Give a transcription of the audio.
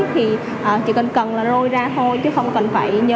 thì chỉ cần cần là rôi ra thôi chứ không cần phải nhớ